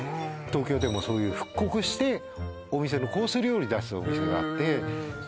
東京でもそういう復刻してお店のコース料理出すお店があってへえ